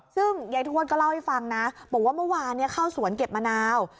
ซึ่งยายทวดก็เล่าให้ฟังนะบอกว่าเมื่อวานเข้าสวนเก็บมะนาว